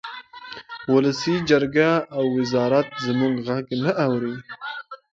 ولسي جرګه او وزارت زموږ غږ نه اوري